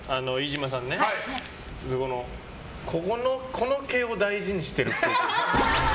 この毛を大事にしてるっぽい。